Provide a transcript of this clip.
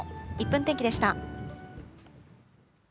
１分天気でした。